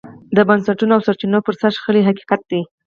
د بنسټونو او سرچینو پر سر شخړې حقیقت دی.